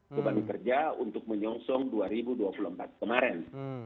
beban kerja untuk menyongsong dua ribu dua puluh empat kemarin